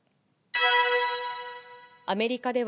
アメリカでは、